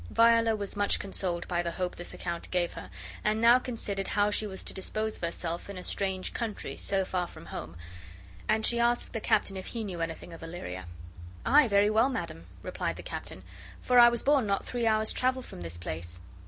Viola was much consoled by the hope this account gave her, and now considered bow she was to dispose of herself in a strange country, so far from home; and she asked the captain if he knew anything of Illyria. "Aye, very well, madam," replied the captain, "for I was born not three hours' travel from this place."